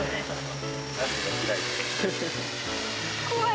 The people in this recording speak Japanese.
怖い。